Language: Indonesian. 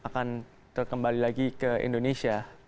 dan yang pasti investasi ini